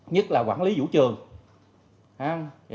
nhất là quản lý vũ trường